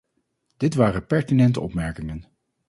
Dit waren pertinente opmerkingen.